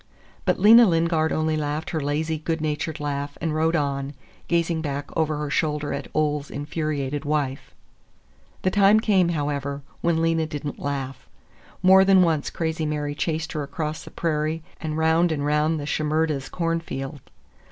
But Lena Lingard only laughed her lazy, good natured laugh and rode on, gazing back over her shoulder at Ole's infuriated wife. The time came, however, when Lena did n't laugh. More than once Crazy Mary chased her across the prairie and round and round the Shimerdas' cornfield.